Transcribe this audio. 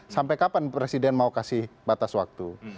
sampai kapan presiden mau kasih batas waktu